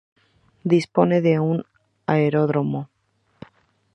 Dispone de un aeródromo.